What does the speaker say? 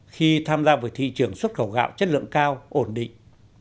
khi tham gia vào thị trường xuất khẩu gạo chất lượng cao ổn định